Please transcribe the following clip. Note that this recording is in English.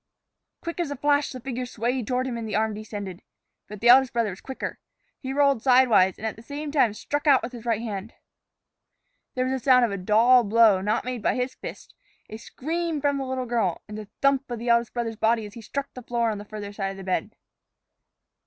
Quick as a flash the figure swayed toward him and the arm descended. But the eldest brother was quicker. He rolled sidewise, and at the same time struck out with his right hand. There was the sound of a dull blow not made by his fist, a scream from the little girl, and the thump of the eldest brother's body as he struck the floor on the farther side of the bed.